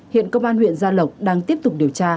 hiện công an huyện gia lộc đang tiếp tục điều tra